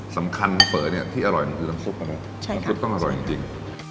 สำคัญเป๋อเนี่ยที่อร่อยมันคือน้ำซุปนะน้ำซุปต้องอร่อยจริง